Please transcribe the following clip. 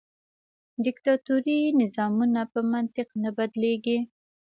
دیکتاتوري نظامونه په منطق نه بدلیږي.